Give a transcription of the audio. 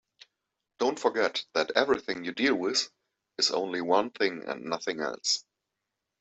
Don't forget that everything you deal with is only one thing and nothing else.